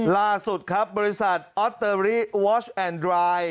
ล่าสุดครับบริษัทออสเตอรี่วอชแอนดราย